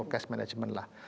dulu cash management lah